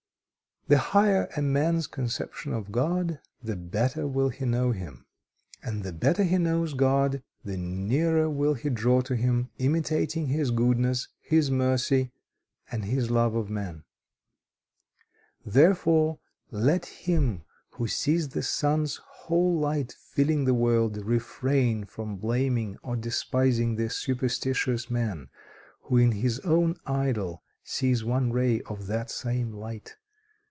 "The higher a man's conception of God, the better will he know Him. And the better he knows God, the nearer will he draw to Him, imitating His goodness, His mercy, and His love of man. "Therefore, let him who sees the sun's whole light filling the world, refrain from blaming or despising the superstitious man, who in his own idol sees one ray of that same light.